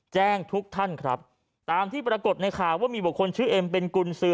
แจ้งทุกท่านครับตามที่ปรากฏในข่าวว่ามีบุคคลชื่อเอ็มเป็นกุญสือ